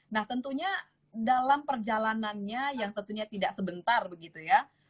nah tentunya dalam perjalanannya yang tentunya tidak sebentar begitu ya